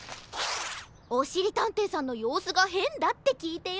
おしりたんていさんのようすがへんだってきいてよ。